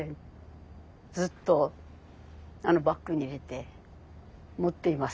ずっとバッグに入れて持っています。